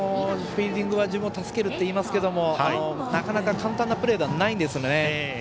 フィールディングは自分を助けるといいますがなかなか簡単なプレーではないんですよね。